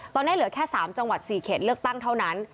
ตอนนี้เหลือแค่๓จังหวัด๔เขตเลือกตั้งเท่านั้น